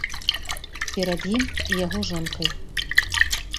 Перад ім і яго жонкай.